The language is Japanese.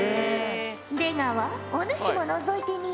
出川お主ものぞいてみよ。